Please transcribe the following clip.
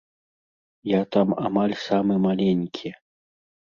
Я там амаль самы маленькі.